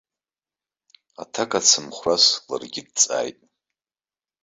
Аҭак ацымхәрас ларгьы дҵааит.